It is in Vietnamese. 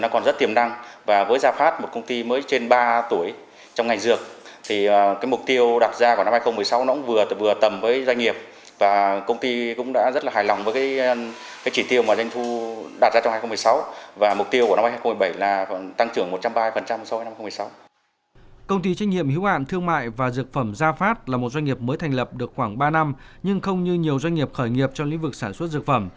công ty chinh nghiệm hữu hạn thương mại và dược phẩm gia phát là một doanh nghiệp mới thành lập được khoảng ba năm nhưng không như nhiều doanh nghiệp khởi nghiệp trong lĩnh vực sản xuất dược phẩm